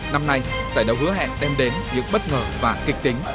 năm nay giải đấu hứa hẹn đem đến những bất ngờ và kịch tính